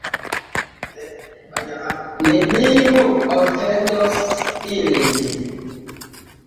Neniu ofendos ilin.